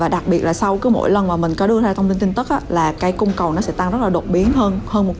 đặc biệt là sau mỗi lần mình có đưa ra thông tin tin tức cung cầu sẽ tăng rất đột biến hơn một trăm linh